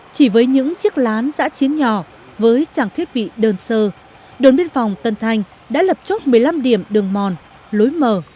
chỉ với những chiếc lán giã chiến nhỏ với trang thiết bị đơn sơ đồn biên phòng tân thanh đã lập chốt một mươi năm điểm đường mòn lối mở